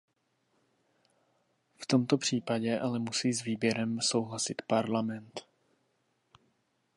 V tomto případě ale musí s výběrem souhlasit parlament.